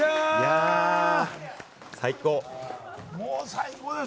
最高！